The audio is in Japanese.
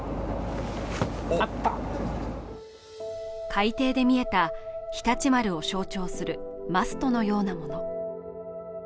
海底で見えた「常陸丸」を象徴するマストのようなもの。